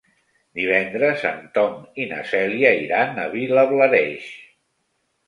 Divendres en Tom i na Cèlia iran a Vilablareix.